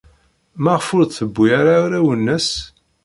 Maɣef ur d-tewwi ara arraw-nnes?